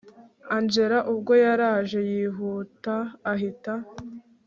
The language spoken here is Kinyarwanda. angella ubwo yaraje yihuta ahita